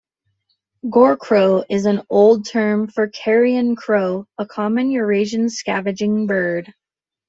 Gorcrow is an old term for Carrion crow, a common Eurasian scavenging bird.